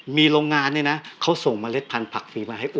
มีโรงงานเนี่ยนะเขาส่งเมล็ดพันธักฟรีมาให้